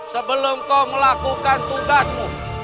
sebelum kau melakukan tugasmu